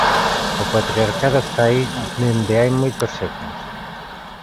O patriarcado está aí desde hai moitos séculos.